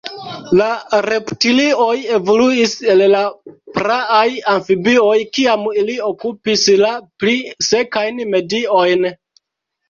La reptilioj evoluis el la praaj amfibioj, kiam ili okupis la pli sekajn mediojn.